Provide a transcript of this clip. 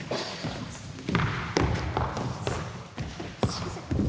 ・すいません。